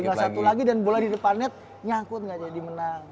tinggal satu lagi dan bola di depannya nyakut gak jadi menang